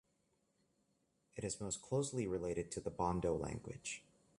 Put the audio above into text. It is most closely related to the Bondo language.